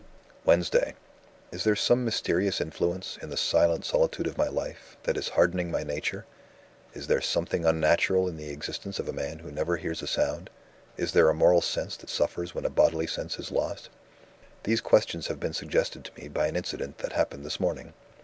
"Wednesday. Is there some mysterious influence, in the silent solitude of my life, that is hardening my nature? Is there something unnatural in the existence of a man who never hears a sound? Is there a moral sense that suffers when a bodily sense is lost? "These questions have been suggested to me by an incident that happened this morning.